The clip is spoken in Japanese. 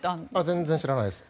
全然知らないです。